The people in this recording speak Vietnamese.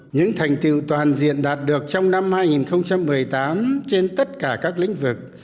những thành tiệu toàn diện đạt được trong năm hai nghìn một mươi tám trên tất cả các lĩnh vực